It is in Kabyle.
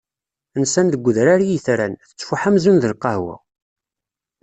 Nsan deg udrar i yetran, tettfuḥ amzun d lqahwa.